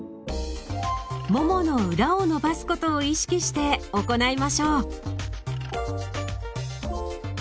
ももの裏を伸ばすことを意識して行いましょう。